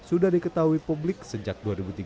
sudah diketahui publik sejak dua ribu tiga belas